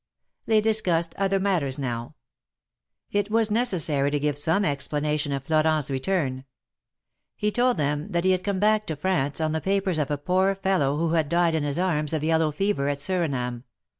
They discussed other matters now. It was necessary to give some explanation of Florent's return. He told them that he had come back to France, on the papers of a poor fellow who had died in his arms of yellow fever at Surinam.